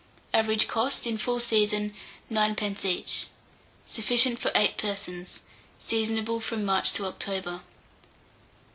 Average cost, in full season, 9d. each. Sufficient for 8 persons. Seasonable from March to October.